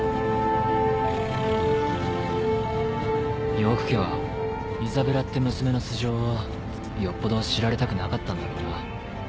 ヨーク家はイザベラって娘の素性をよっぽど知られたくなかったんだろうな。